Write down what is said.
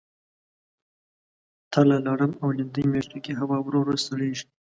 تله ، لړم او لیندۍ میاشتو کې هوا ورو ورو سړیږي.